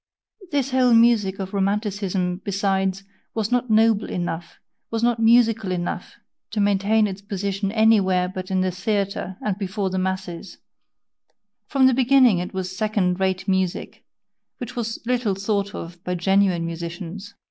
This whole music of Romanticism, besides, was not noble enough, was not musical enough, to maintain its position anywhere but in the theatre and before the masses; from the beginning it was second rate music, which was little thought of by genuine musicians.